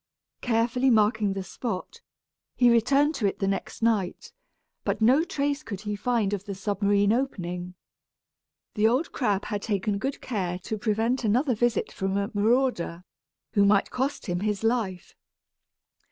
Carefully marking the spot, he returned to it the next night, but no trace could he find of the submarine opening. The old crab had taken good care to prevent another visit from a marauder, who might cost him his life.